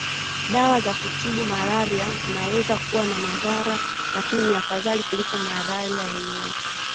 Dawa za kutibu malaria zinaweza kuwa na madhara lakini ni afadhali kuliko malaria yenyewe